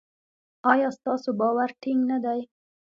ایا ستاسو باور ټینګ نه دی؟